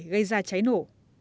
gây ra cháy nổ